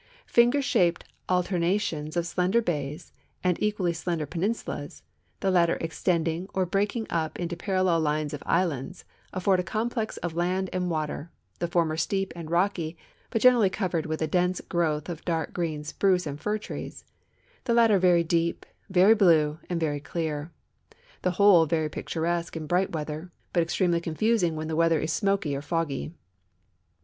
Finger shaped alternations of slender bays and equally slender peninsulas, the latter extend ing or breaking up into parallel lines of islands, afford a eomj)lex of land and water, the former steep and rocky, but generally cov ered with a dense growth of dark green si)ruce and Hr trees, the latter very deep, very blue, and very clear, the whole very pictur esque in bright weather, but extremely confusing when the weather is smoky or foggy.